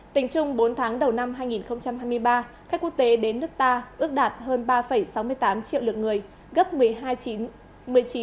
tình trung bốn tháng đầu năm hai nghìn hai mươi ba khách quốc tế đến nước ta ước đạt hơn ba sáu mươi tám triệu lượt người